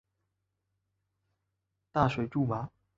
大水苎麻